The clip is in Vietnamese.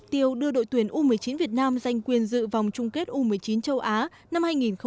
tuyển u một mươi chín việt nam giành quyền dự vòng chung kết u một mươi chín châu á năm hai nghìn hai mươi